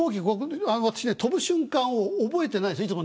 私は飛ぶ瞬間を覚えてないんです。